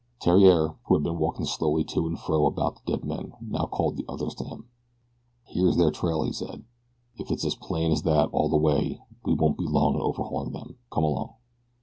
Theriere, who had been walking slowly to and fro about the dead men, now called the others to him. "Here's their trail," he said. "If it's as plain as that all the way we won't be long in overhauling them. Come along."